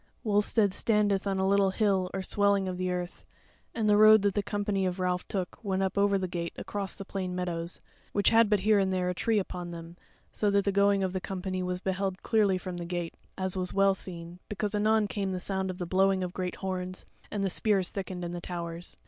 Wulstead standeth on a little hill or swelling of the earth, and the road that the company of Ralph took went up to the gate across the plain meadows, which had but here and there a tree upon them, so that the going of the company was beheld clearly from the gate; as was well seen, because anon came the sound of the blowing of great horns, and the spears thickened in the towers.